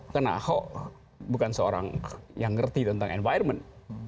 karena ahok bukan seorang yang ngerti tentang environment